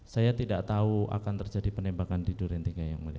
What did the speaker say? saya tidak tahu akan terjadi penembakan di durian tiga yang mulia